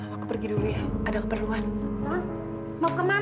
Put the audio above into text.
aku pergi dulu ya ada keperluan